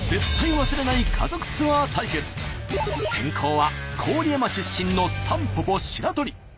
先攻は郡山出身のたんぽぽ白鳥。